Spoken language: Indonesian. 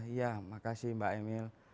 ya makasih mbak emil